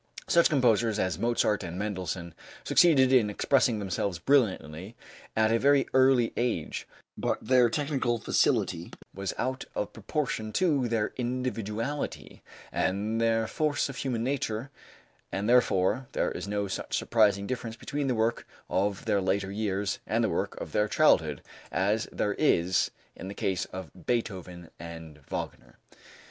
Such composers as Mozart and Mendelssohn succeeded in expressing themselves brilliantly at a very early age; but their technical facility was out of proportion to their individuality and their force of human nature, and therefore there is no such surprising difference between the work of their later years and the work of their childhood as there is in the case of Beethoven and Wagner."